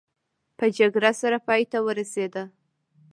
په جګړې سره پای ته ورسېده.